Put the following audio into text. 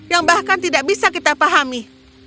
yang bahkan tidak bisa kita pahami